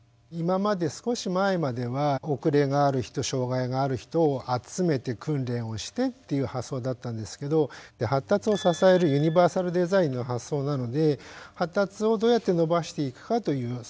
今まで少し前までは遅れがある人障害がある人を集めて訓練をしてっていう発想だったんですけど発達を支えるユニバーサルデザインの発想なので発達をどうやって伸ばしていくかという。